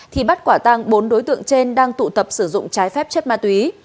thì bắt quả tăng bốn đối tượng trên đang tụ tập sử dụng trái phép chất ma túy